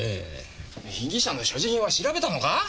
被疑者の所持品は調べたのか！？